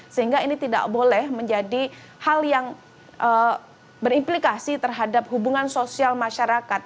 sehingga ini tidak boleh menjadi hal yang berimplikasi terhadap hubungan sosial masyarakat